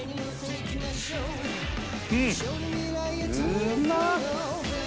うん！うーまっ！